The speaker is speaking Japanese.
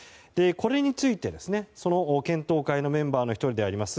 これについて、検討会のメンバーの１人であります